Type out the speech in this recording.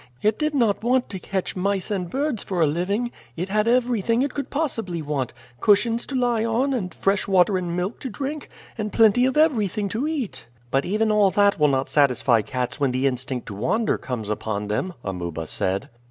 It did not want to catch mice and birds for a living. It had everything it could possibly want cushions to lie on, and fresh water and milk to drink, and plenty of everything to eat." "But even all that will not satisfy cats when the instinct to wander comes upon them," Amuba said.